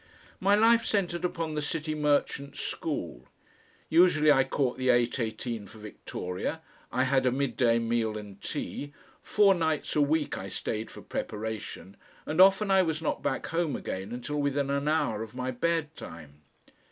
My life centred upon the City Merchants School. Usually I caught the eight eighteen for Victoria, I had a midday meal and tea; four nights a week I stayed for preparation, and often I was not back home again until within an hour of my bedtime.